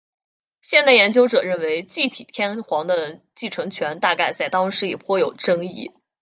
现代研究者认为继体天皇的继承权大概在当时也颇有争议。